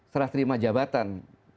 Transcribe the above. setelah terima jabatan